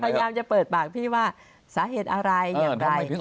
พยายามจะเปิดปากพี่ว่าสาเหตุอะไรอย่างไร